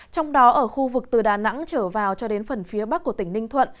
trong đó ở khu vực từ đà nẵng trở vào cho đến phần phía bắc của tỉnh ninh thuận